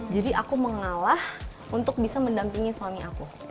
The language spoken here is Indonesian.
jadi aku mengalah untuk bisa mendampingi suami aku